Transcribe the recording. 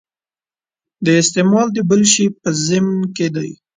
دا استعمال د بل شي په ضمن کې دی.